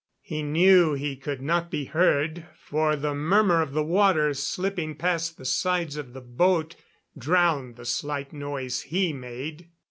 He knew he could not be heard, for the murmur of the water slipping past the sides of the boat drowned the slight noise he made.